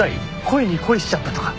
声に恋しちゃったとか？